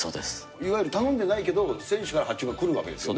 いわゆる頼んでないけど、選手から発注来るわけですよね。